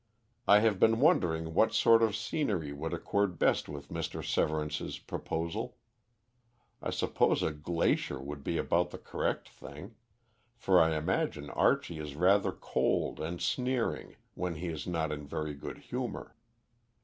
I have been wondering what sort of scenery would accord best with Mr. Severance's proposal. I suppose a glacier would be about the correct thing, for I imagine Archie is rather cold and sneering when he is not in very good humour.